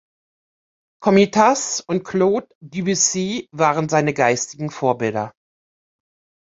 Komitas und Claude Debussy waren seine geistigen Vorbilder.